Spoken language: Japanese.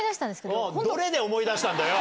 どれで思い出したんだよ。